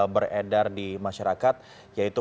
beredar di masyarakat yaitu